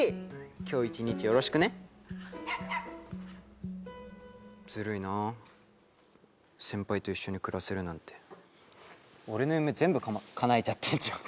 今日一日よろしくねずるいな先輩と一緒に暮らせるなんて俺の夢全部かまかなえちゃってんじゃん